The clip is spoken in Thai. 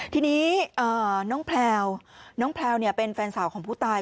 ทีนี้น้องแพลวน้องแพลวเป็นแฟนสาวของผู้ตาย